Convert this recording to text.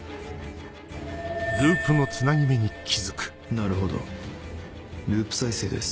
なるほどループ再生です。